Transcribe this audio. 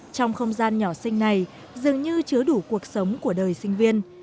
trong không gian nhỏ sinh này dường như chứa đủ cuộc sống của đời sinh viên